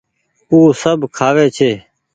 او سب کآوي ڇي۔